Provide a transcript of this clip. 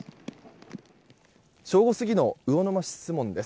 正午過ぎの魚沼市守門です。